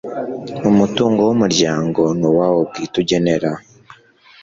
umutungo w umuryango ni uwawo bwite ugenera